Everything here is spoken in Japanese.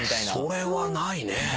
それはないね。